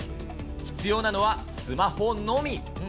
必要なのはスマホのみ。